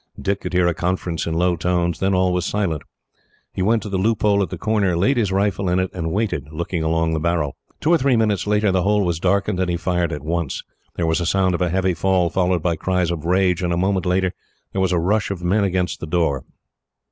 Dick could hear a conference in low tones; then all was silent. He went to the loophole at the corner, laid his rifle in it, and waited, looking along the barrel. Two or three minutes later the hole was darkened, and he fired at once. There was a sound of a heavy fall, followed by cries of rage, and a moment later there was a rush of men against the door.